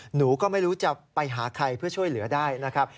หนูก็ไม่รู้จะไปหาใครเพื่อช่วยเหลือได้นะครับ